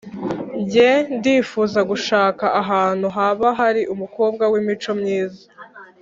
nge ndifuza gushaka ahantu haba hari umukobwa w’imico myiza,